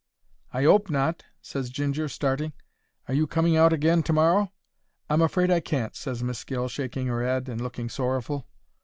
"I 'ope not," ses Ginger, starting. "Are you coming out agin to morrow?" "I'm afraid I can't," ses Miss Gill, shaking her 'ead and looking sorrowful.